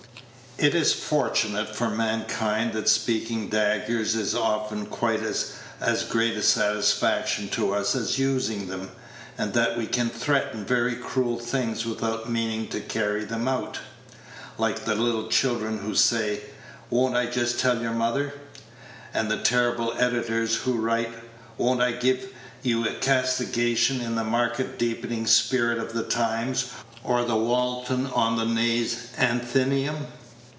It is fortunate for mankind that speaking daggers is often quite as great a satisfaction to us as using them, and that we can threaten very cruel things without meaning to carry them out. Like the little children who say, "Won't I just tell your mother?" and the terrible editors who write, "Won't I give you a castigation in the Market Deeping Spirit of the Times, or the Walton on the Naze Athenæum?"